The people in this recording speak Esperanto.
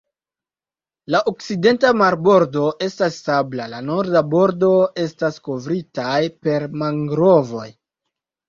La okcidenta marbordo estas sabla, la norda bordo estas kovritaj per mangrovoj.